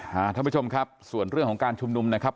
ท่านผู้ชมครับส่วนเรื่องของการชุมนุมนะครับ